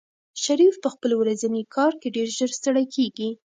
شریف په خپل ورځني کار کې ډېر ژر ستړی کېږي.